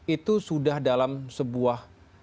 itu sudah dalam sebuah